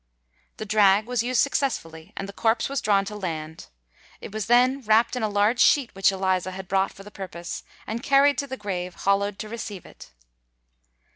The drag was used successfully; and the corpse was drawn to land. It was then wrapped in a large sheet which Eliza had brought for the purpose, and carried to the grave hollowed to receive it.